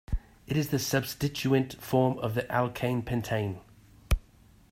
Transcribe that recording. It is the substituent form of the alkane pentane.